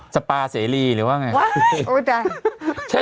สปาเสรีหรือว่าไงวะ